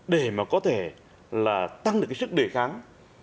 để mà có thể là tăng được cái sức đề kháng